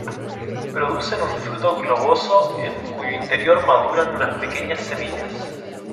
Producen un fruto globoso en cuyo interior maduran una pequeñas semillas.